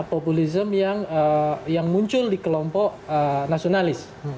populisme yang muncul di kelompok nasionalis